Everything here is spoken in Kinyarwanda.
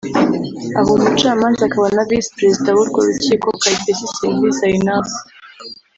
aho Umucamanza akaba na Visi Perezida w’urwo rukiko Kayitesi Sylvie Zainabu